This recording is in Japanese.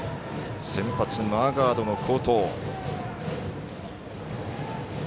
先発マーガードの好投。